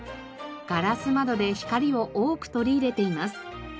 ガラス窓で光を多く取り入れています。